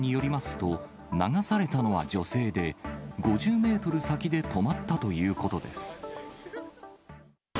地元メディアによりますと、流されたのは女性で、５０メートル先で止まったということです。